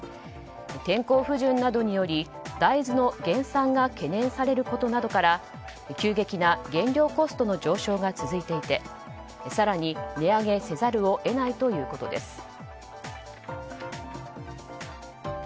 天候不順などにより大豆の減産が懸念されることなどから急激な原料コストの上昇が続いていて更に値上げせざるを得ないということです。